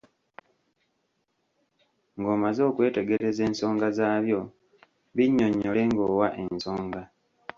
Ng'omaze okwetegereza ensonga zaabyo, binnyonnyole ng'owa ensonga.